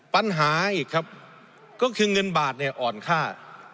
ปัญหาอีกครับก็คือเงินบาทเนี่ยอ่อนค่า